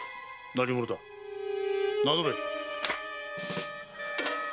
何者だ？名乗れ。